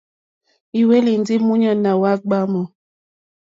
Ì hwélì ndí múɲáná wá ɡbwǎmù.